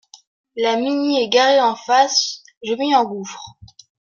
La Mini est garée en face, je m’y engouffre.